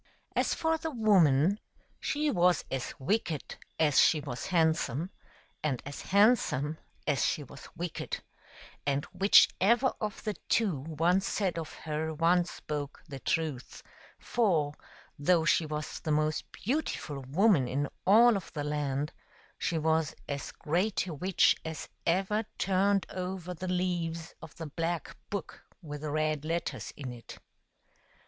As for the woman, she was as wicked as she was handsome, and as handsome as she was wicked, and whichever of the two one said of her one spoke the truth ; for, though she was the most beautiful woman in all of the land, she was as great a witch as ever turned over the leaves of the black book with the red letters in it.